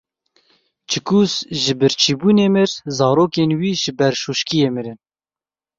Çikûs ji birçîbûnê mir, zarokên wî ji berşoşkiyê mirin.